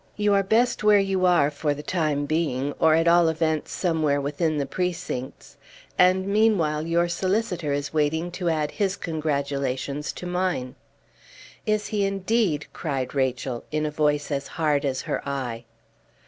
You are best where you are for the time being, or at all events somewhere within the precincts. And meanwhile your solicitor is waiting to add his congratulations to mine." "Is he, indeed!" cried Rachel, in a voice as hard as her eye.